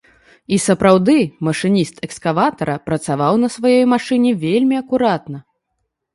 І сапраўды, машыніст экскаватара працаваў на сваёй машыне вельмі акуратна.